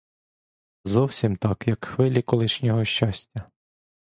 Зовсім так, як хвилі колишнього щастя!